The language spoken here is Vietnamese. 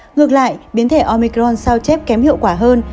ngược lại biến thẻ omicron sao chép kém hiệu quả hơn